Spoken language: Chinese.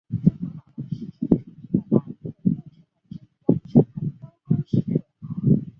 阿尔巴津人是中国人中俄罗斯后裔组成的民系之一。